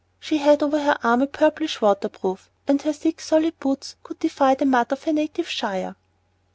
She had over her arm a purplish water proof, and her thick, solid boots could defy the mud of her native shire.